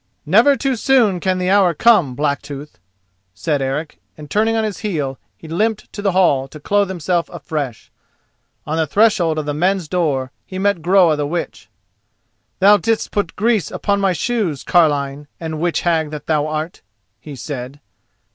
"Never too soon can the hour come, Blacktooth," said Eric, and turning on his heel, he limped to the hall to clothe himself afresh. On the threshold of the men's door he met Groa the Witch. "Thou didst put grease upon my shoes, carline and witch hag that thou art," he said.